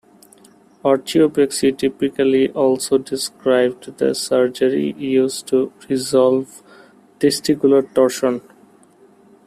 Orchiopexy typically also describes the surgery used to resolve testicular torsion.